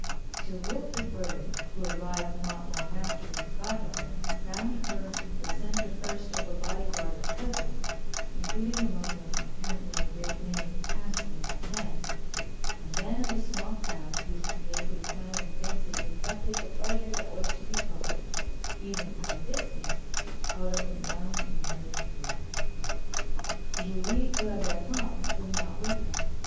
Sir Wilfrid Bury, who arrived not long after his goddaughter, found her the centre first of a body guard of cousins, including among them apparently a great many handsome young men, and then of a small crowd, whose vaguely smiling faces reflected the pleasure that was to be got, even at a distance, out of her young and merry beauty. Julie Le Breton was not with her.